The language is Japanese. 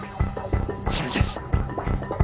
それです！